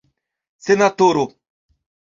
senatoro